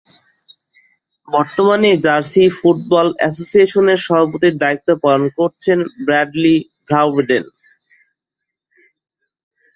বর্তমানে jersey football অ্যাসোসিয়েশনের সভাপতির দায়িত্ব পালন করছেন ব্র্যাডলি ভাউডেন।